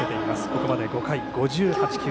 ここまで５回、５８球。